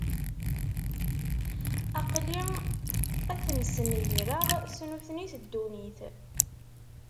Aql-i ad ten-snegreɣ, s nutni, s ddunit.